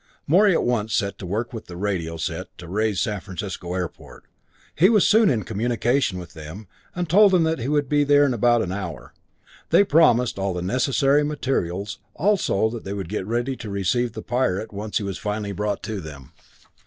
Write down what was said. Morey at once set to work with the radio set to raise San Francisco airport. He was soon in communication with them, and told them that he would be there in about an hour. They promised all the necessary materials; also that they would get ready to receive the pirate once he was finally brought in to them.